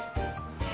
え？